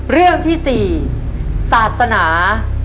เรื่องที่๔ศาสนา